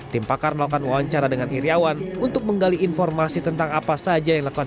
tim pakar melakukan wawancara dengan iryawan untuk menggali informasi tentang apa saja yang dilakukan